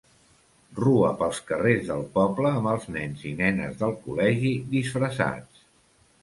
Rua pels carrers del poble amb els nens i nenes del col·legi disfressats.